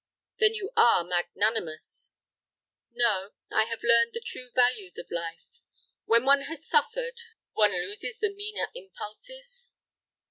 "Then you are magnanimous." "No, I have learned the true values of life. When one has suffered—" "One loses the meaner impulses?"